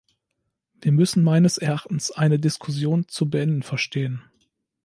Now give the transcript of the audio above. Wir müssen meines Erachtens eine Diskussion zu beenden verstehen.